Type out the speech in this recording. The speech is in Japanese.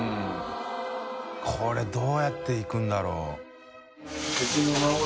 海どうやっていくんだろう？